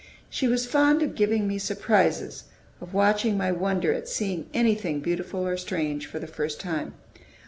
She was fond of giving me surprises, of watching my wonder at seeing anything beautiful or strange for the first time.